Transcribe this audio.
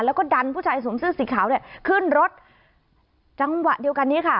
แล้วก็ดันผู้ชายสวมเสื้อสีขาวเนี่ยขึ้นรถจังหวะเดียวกันนี้ค่ะ